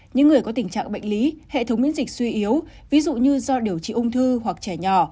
những người có tình trạng bệnh lý hệ thống miễn dịch suy yếu ví dụ như do điều trị ung thư hoặc trẻ nhỏ